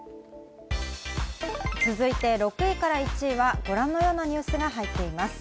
続いて６位から１位はご覧のようなニュースが入っています。